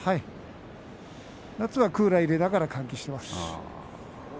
夏はクーラーを入れながら換気をしています。